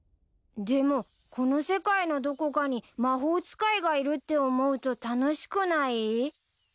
でもこの世界のどこかに魔法使いがいるって思うと楽しくない？